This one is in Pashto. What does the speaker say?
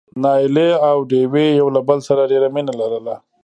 نايلې او ډوېوې يو له بل سره ډېره مينه لرله.